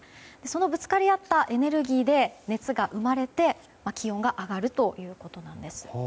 そのぶつかり合ったエネルギーで熱が生まれて気温が上がるということなんです。